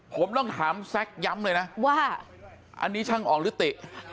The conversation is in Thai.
ผมต้องถามแซ็กย้ำเลยนะว่าอันนี้ช่างอ๋องหรือติ